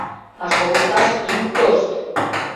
А шолышташ ит тошт!